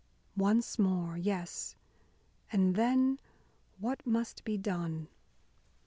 Once more! Yes, and then what must be done?